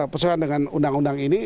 persoalan dengan undang undang ini